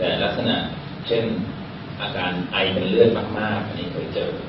แต่ลักษณะเช่นอาการไอมันเลือดมากอันนี้เคยเจอ